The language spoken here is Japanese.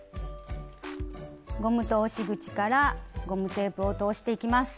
ゴム通し口からゴムテープを通していきます。